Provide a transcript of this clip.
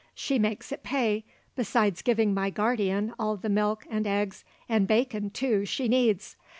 She makes it pay besides giving my guardian all the milk and eggs and bacon, too, she needs.